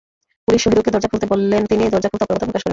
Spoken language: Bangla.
পুলিশ শহিদুলকে দরজা খুলতে বললে তিনি দরজা খুলতে অপারগতা প্রকাশ করেন।